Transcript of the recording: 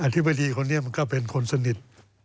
ธิบดีคนนี้มันก็เป็นคนสนิท